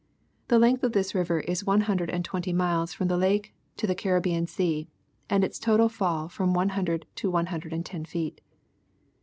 The length of this river is one hundred and twenty miles, from the Lake to the Caribbean Sea, and its total fall from one hundred to one hundred and ten feet.